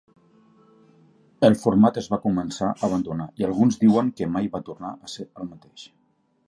El format es va començar a abandonar i alguns diuen que mai va tornar a ser el mateix.